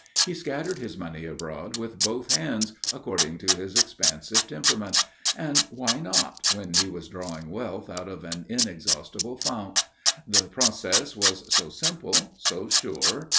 He scattered his money abroad with both hands, according to his expansive temperament; and why not, when he was drawing wealth out of an inexhaustible fount? The process was so simple, so sure.